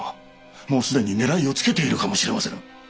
もう既に狙いをつけているかもしれませぬ。